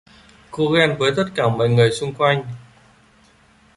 Cô ghen với tất cả mọi thứ xung quanh